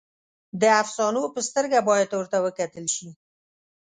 د افسانو په سترګه باید ورته وکتل شي.